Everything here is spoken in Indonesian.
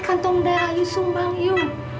kau ini kandung darah ibu sumbang ibu